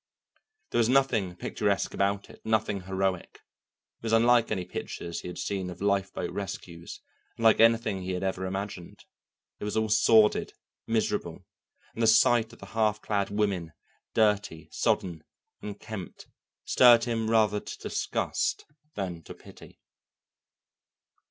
There was nothing picturesque about it all, nothing heroic. It was unlike any pictures he had seen of lifeboat rescues, unlike anything he had ever imagined. It was all sordid, miserable, and the sight of the half clad women, dirty, sodden, unkempt, stirred him rather to disgust than to pity.